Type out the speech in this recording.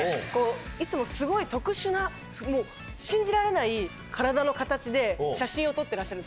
いつもすごい特殊な信じられない体の形で写真を撮ってらっしゃるんです。